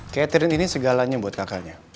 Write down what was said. catherine ini segalanya buat kakaknya